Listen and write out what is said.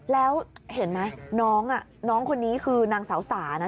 แล้วเห็นไหมน้องน้องคนนี้คือนางสาวสานะ